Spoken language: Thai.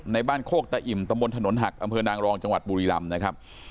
ในบ้านโคกตะอิ่มตำบลถนนหักอำเภอนางรองจังหวัดบุรีรำนะครับ